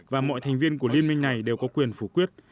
và mọi thành viên của liên minh này đều có quyền phủ quyết